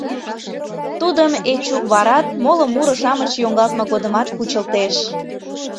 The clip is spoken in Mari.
Тудым Эчук варат, моло муро-шамыч йоҥгалтме годымат, кучылтеш.